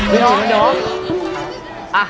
ไม่เห็นแล้วเนอะ